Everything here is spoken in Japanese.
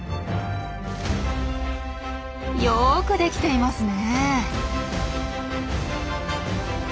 よくできていますね。